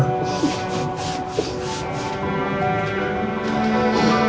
terima kasih kalau mama sudah mempercayai